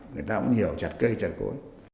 người ta cũng hiểu chặt cây chặt cổ